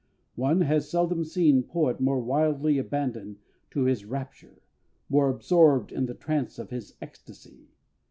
One has seldom seen poet more wildly abandoned to his rapture, more absorbed in the trance of his ecstasy.